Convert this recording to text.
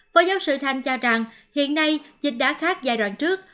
phó giáo sư thanh cho rằng hiện nay dịch đã khác giai đoạn trước